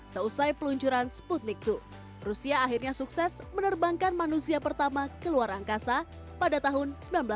seusai peluncuran sputnik dua rusia akhirnya sukses menerbangkan manusia pertama ke luar angkasa pada tahun seribu sembilan ratus sembilan puluh